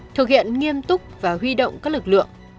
thực hiện nghiêm túc và huy động các lực lượng